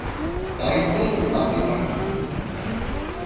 დაიწყეს სტამბის აღდგენა.